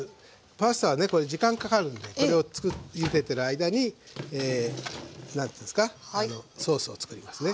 パスタはねこれ時間かかるんでこれをゆでてる間に何ていうんですかソースをつくりますね。